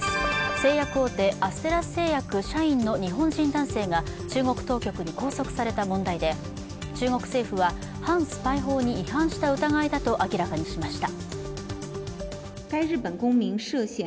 製薬大手・アステラス製薬社員の日本人男性が中国当局に拘束された問題で中国政府は、反スパイ法に違反した疑いだと明らかにしました。